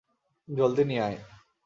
জলদি নিয়ে আয়।